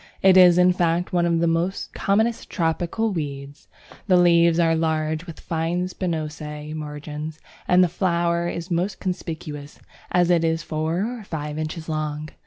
It is in fact one of the commonest tropical weeds. The leaves are large with fine spinose margins, and the flower is most conspicuous, as it is four or five inches long.